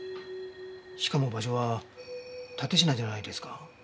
しかも場所は蓼科じゃないですか？